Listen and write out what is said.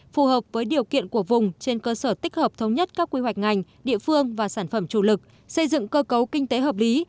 phù hợp với điều kiện của vùng trên cơ sở tích hợp thống nhất các quy hoạch ngành địa phương và sản phẩm chủ lực xây dựng cơ cấu kinh tế hợp lý